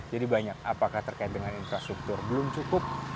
jadi banyak apakah terkait dengan infrastruktur belum cukup